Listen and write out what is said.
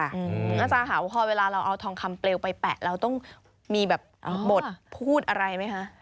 อาจารย์ค่ะพอเวลาเราเอาทองคำเปลวไปแปะเราต้องมีแบบบทพูดอะไรไหมคะ